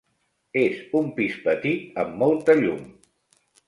És un pis petit amb molta llum.